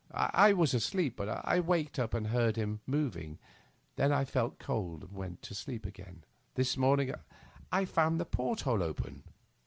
I was asleep, but I waked up and heard him moving. Then I felt cold and went to sleep again. This morning I found the port hole open."